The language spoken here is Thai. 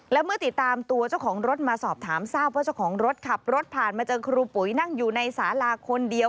และเมื่อติดตามตัวเจ้าของรถมาสอบถามทราบว่าเจ้าของรถขับรถผ่านมาเจอครูปุ๋ยนั่งอยู่ในสาลาคนเดียว